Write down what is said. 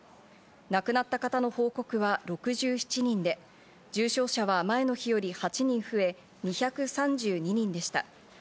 亡くなった方の報告は６７人で重症者は前の日より８人増え、２３２人でした。